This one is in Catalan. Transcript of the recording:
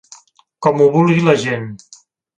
Com ho vulgui la gent.